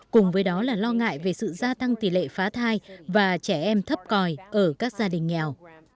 cùng với đó là lo ngại về sự gia tăng tỷ lệ phá thai và trẻ em thấp còi ở các gia đình nghèo